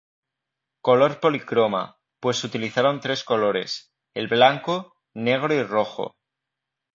Color policroma, pues utilizaron tres colores: el blanco, negro y rojo.